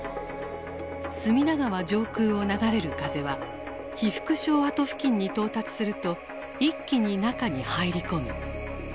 隅田川上空を流れる風は被服廠跡付近に到達すると一気に中に入り込む。